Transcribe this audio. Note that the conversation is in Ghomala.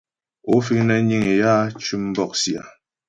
Ó fíŋ nə́ níŋ yǎ tʉ́m bɔ̂'sì a ?